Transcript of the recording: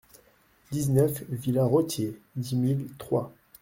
dix-neuf villa Rothier, dix mille Troyes